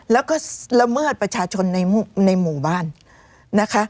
แล้วก็ละเมิดประชาชนในหมู่บ้านนะคะ